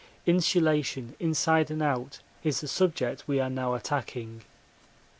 Insulation inside and out is the subject we are now attacking.